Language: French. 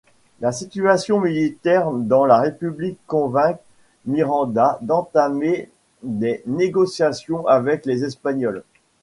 La situation militaire dans la République convainc Miranda d'entamer des négociations avec les Espagnols.